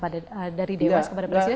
dari dewas kepada presiden